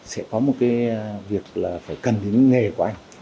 sẽ có một cái việc là phải cần đến những nghề của anh